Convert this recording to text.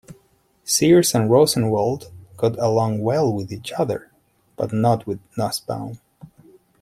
Sears and Rosenwald got along well with each other, but not with Nusbaum.